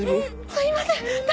すいません！